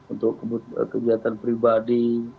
untuk kegiatan pribadi